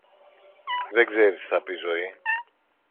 Δεν ξέρεις τι θα πει ζωή